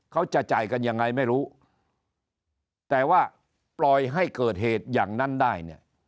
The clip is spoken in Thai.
เขาจะจ่ายกันยังไงไม่รู้แต่ว่าปล่อยให้เกิดเหตุอย่างนั้นได้เนี่ย